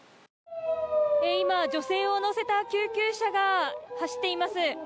今、女性を乗せた救急車が走っています。